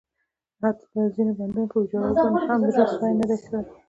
حتٰی د ځینو بندونو په ویجاړولو باندې هم زړه سوی نه ده شوی.